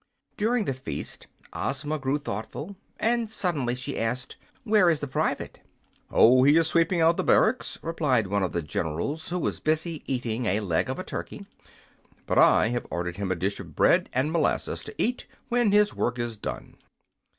During the feast Ozma grew thoughtful, and suddenly she asked: "Where is the private?" "Oh, he is sweeping out the barracks," replied one of the generals, who was busy eating a leg of a turkey. "But I have ordered him a dish of bread and molasses to eat when his work is done."